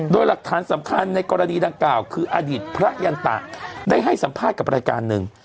โดยหลักฐานสำคัญในกรณีดังกล่าวคืออดีตพระยันตะได้ให้สัมภาษณ์กับรายการหนึ่ง